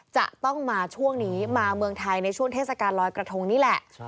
จะต้องมาช่วงนี้มาเมืองไทยในช่วงเทศกาลลอยกระทงนี่แหละ